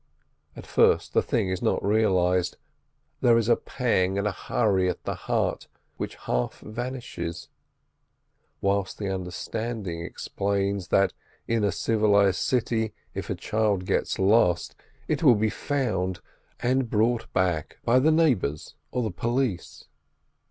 At first the thing is not realised. There is a pang and hurry at the heart which half vanishes, whilst the understanding explains that in a civilised city, if a child gets lost, it will be found and brought back by the neighbours or the police.